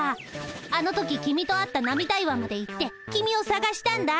あの時君と会った涙岩まで行って君をさがしたんだ。